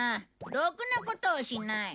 ろくなことをしない。